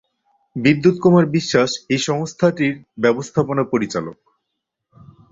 বিদ্যুত কুমার বিশ্বাস এই সংস্থাটির ব্যবস্থাপনা পরিচালক।